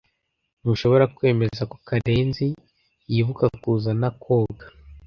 Ntushobora kwemeza ko Karenzi yibuka kuzana koga?